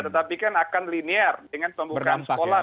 tetapi kan akan linear dengan pembukaan sekolah